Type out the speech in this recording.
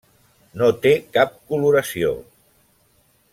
No té cap coloració.